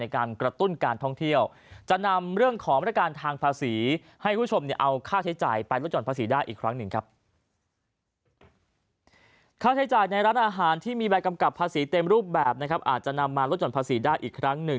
ค่าใช้จ่ายในร้านอาหารที่มีใบกำกับภาษีเต็มรูปแบบนะครับอาจจะนำมาลดห่อนภาษีได้อีกครั้งหนึ่ง